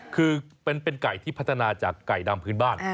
คือเป็นไก่ที่พัฒนาจากไก่ดำพื้นบ้าน